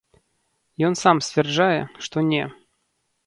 Ён сам сцвярджае, што не.